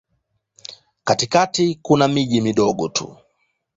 Katikati kuna miji midogo tu.